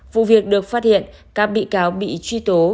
vụ việc được phát hiện các bị cáo bị truy tố